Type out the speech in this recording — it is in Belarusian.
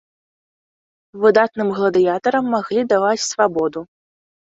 Выдатным гладыятарам маглі даваць свабоду.